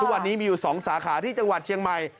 วันนี้มีอยู่๒สาขาที่จังหวัดเชียงใหม่